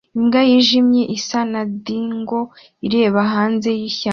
Imbwa yijimye isa na dingo ireba hanze yishyamba